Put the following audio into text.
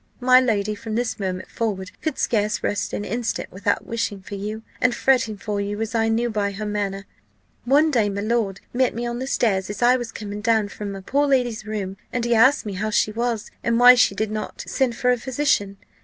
My lady from this moment forward could scarce rest an instant without wishing for you, and fretting for you as I knew by her manner. One day my lord met me on the stairs as I was coming down from my poor lady's room, and he asked me how she was, and why she did not send for a physician.